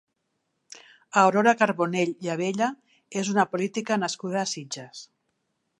Aurora Carbonell i Abella és una política nascuda a Sitges.